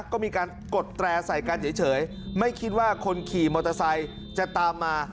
ก็มีการกดแตร่ใส่กันเฉยไม่คิดว่าคนขี่มอเตอร์ไซค์จะตามมา